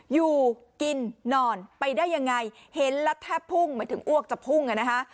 อยู่กินนอนไปได้ยังไงเห็นแล้วแทบพุ่งหมายถึงอ้วกจะพุ่งอ่ะนะคะ